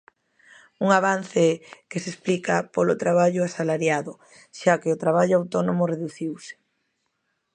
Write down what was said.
Un avance que se explica polo traballo asalariado, xa que o traballo autónomo reduciuse.